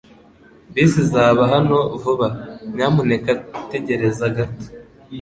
Bisi izaba hano vuba. Nyamuneka tegereza gato.